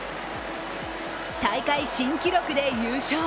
大会新記録で優勝。